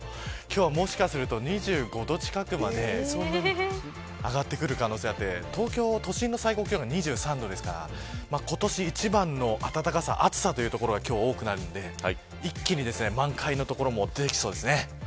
もしかすると２５度近くまで上がってくる可能性があって東京都心の最高気温２３度ですから今年一番の暖かさ暑さという所が多くなるので一気に満開の所も出てきそうです。